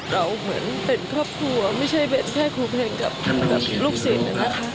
เหมือนเป็นครอบครัวไม่ใช่เป็นแค่ครูเพลงกับลูกศิษย์นะคะ